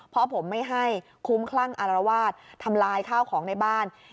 พ่อผมไม่ให้คุ้มคลั่งอารวาสทำลายข้าวของในบ้าน